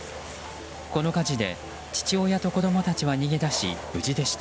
この火事で、父親と子供たちは逃げ出し無事でした。